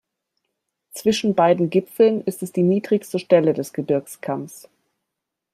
Zwischen beiden Gipfeln ist es die niedrigste Stelle des Gebirgskamms.